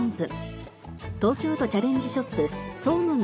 東京都チャレンジショップ創の実